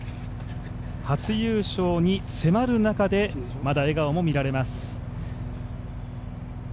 初優勝に迫る中でまだ笑顔も見られます。